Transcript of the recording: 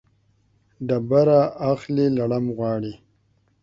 ډبره اخلي ، لړم غواړي.